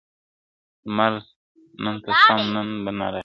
لمره نن تم سه نن به نه راخېژې !.